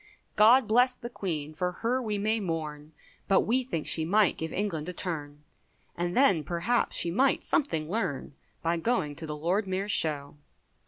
God bless the Queen, for her we may mourn, But we think she might give England a turn, And then perhaps she might something learn By going to the Lord Mayor's show.